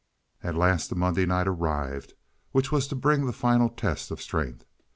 At last the Monday night arrived which was to bring the final test of strength.